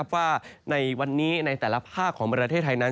ว่าในวันนี้ในแต่ละภาคของประเทศไทยนั้น